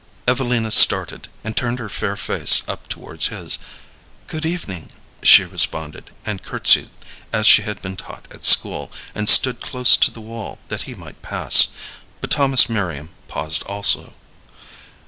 Evelina started, and turned her fair face up towards his. "Good evening," she responded, and courtesied as she had been taught at school, and stood close to the wall, that he might pass; but Thomas Merriam paused also.